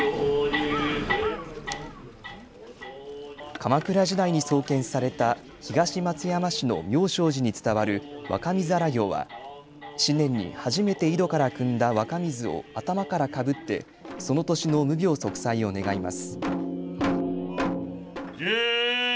鎌倉時代に創建された東松山市の妙昌寺に伝わる若水荒行は新年に初めて井戸からくんだ若水を頭からかぶってその年の無病息災を願います。